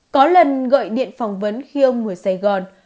có lần gọi điện phỏng vấn khi ông ngồi sài gòn